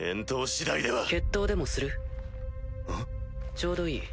ちょうどいい。